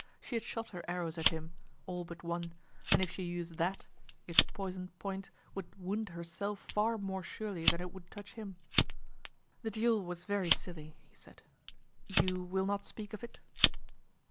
She had shot her arrows at him, all but one, and if she used that, its poisoned point would wound herself far more surely than it would touch him. "The duel was very silly," he said. "You will not speak of it."